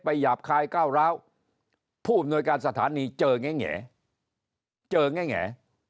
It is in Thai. ไปหยาบคลายเก้าร้าวพูดอำนวยการสถานีเจอแง่